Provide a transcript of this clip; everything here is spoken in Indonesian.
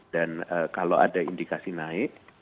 dan kalau ada indikasi naik